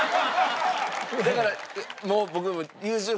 だからもう僕。